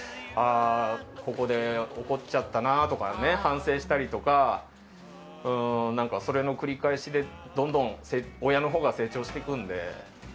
ここで、怒っちゃったなとか反省したりとかそれの繰り返しでどんどん親のほうが成長していくんで。